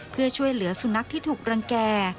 เพื่อช่วยเหลือสุนัขที่ถูกรังแก่